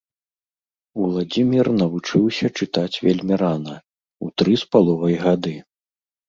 Уладзімір навучыўся чытаць вельмі рана, у тры з паловай гады